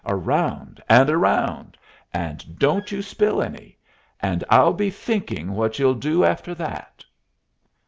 Around and around. And don't you spill any. And I'll be thinking what you'll do after that."